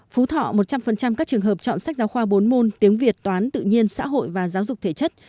phú thọ một trăm linh các trường hợp chọn sách giáo khoa bốn môn tiếng việt toán tự nhiên xã hội và giáo dục thể chất